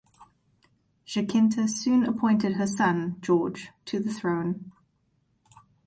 Jaquinta soon appointed her son, George, to the throne.